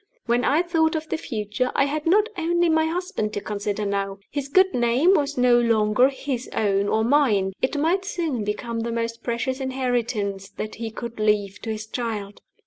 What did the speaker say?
When I thought of the future, I had not only my husband to consider now. His good name was no longer his own and mine it might soon become the most precious inheritance that he could leave to his child.